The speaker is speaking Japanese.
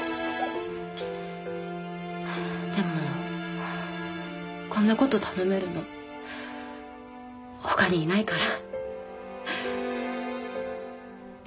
でもこんな事頼めるの他にいないから。